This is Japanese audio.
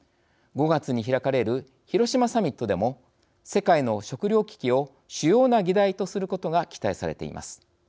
５月に開かれる広島サミットでも世界の食料危機を主要な議題とすることが期待されています。